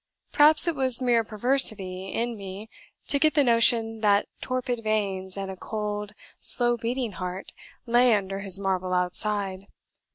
Perhaps it was mere perversity in me to get the notion that torpid veins, and a cold, slow beating heart, lay under his marble outside.